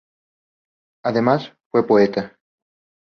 Además, fue poeta.